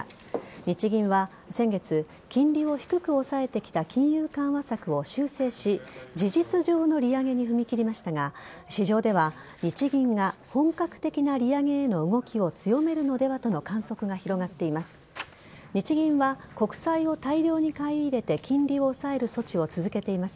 日銀は先月金利を低く抑えてきた金融緩和策を修正し事実上の利上げに踏み切りましたが市場では日銀が本格的な利上げへの動きを、強めるのではとの観測が広がっています。